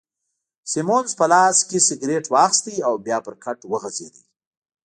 سیمونز په لاس کي سګرېټ واخیست او بیا پر کټ وغځېد.